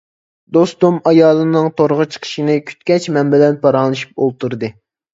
دوستۇم ئايالىنىڭ تورغا چىقىشىنى كۈتكەچ مەن بىلەن پاراڭلىشىپ ئولتۇردى.